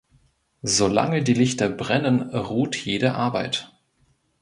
Solange die Lichter brennen, ruht jede Arbeit.